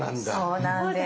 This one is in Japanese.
そうなんです。